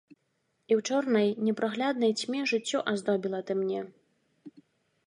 І ў чорнай, непрагляднай цьме жыццё аздобіла ты мне.